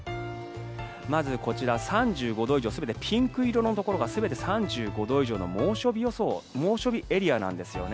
まずこちら３５度以上全てピンク色のところが全て３５度以上の猛暑日エリアなんですよね。